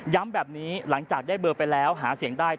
แบบนี้หลังจากได้เบอร์ไปแล้วหาเสียงได้